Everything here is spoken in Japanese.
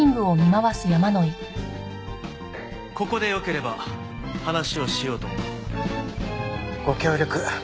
ここでよければ話をしようと思うが。